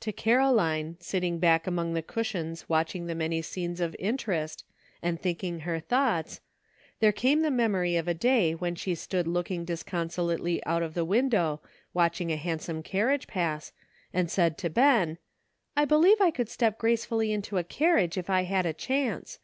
To Caroline, sitting back among the cushions watching the many scenes of interest, and think ing her thoughts, there came the memory of a day when she stood looking disconsolately out of the window watching a handsome carriage pass, and said to Ben : ''I believe I could step gracefully into a carriage if I had a chance.